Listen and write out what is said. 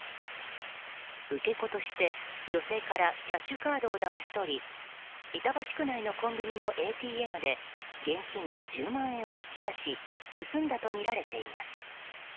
受け子として女性からキャッシュカードをだまし取り板橋区内のコンビニのＡＴＭで現金１０万円を引き出し盗んだとみられています。